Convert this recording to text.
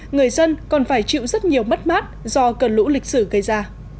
người dân còn phải chịu rất nhiều mất mát do cơn lũ lịch sử gây ra